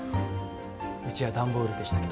うちは段ボールでしたけど。